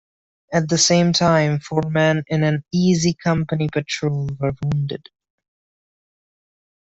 At the same time, four men in an Easy Company patrol were wounded.